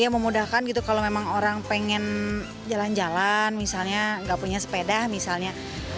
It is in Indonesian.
memudahkan gitu kalau memang orang pengen jalan jalan misalnya nggak punya sepeda misalnya